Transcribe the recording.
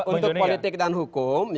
untuk politik dan hukum